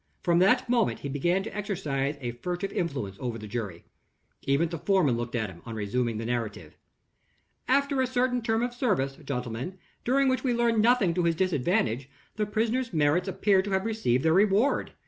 From that moment he began to exercise a furtive influence over the jury. Even the foreman looked at him, on resuming the narrative. "After a certain term of service, gentlemen, during which we learn nothing to his disadvantage, the prisoner's merits appear to have received their reward.